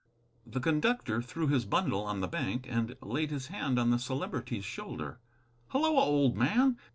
The conductor threw his bundle on the bank and laid his hand on the Celebrity's shoulder. "Halloa, old man!"